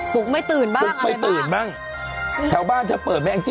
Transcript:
ลุกไม่ตื่นบ้างปลุกไม่ตื่นบ้างแถวบ้านเธอเปิดไหมแองจี